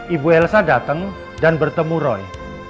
ibu elsa datang dan bertemu roy